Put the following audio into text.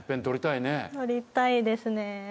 取りたいですね。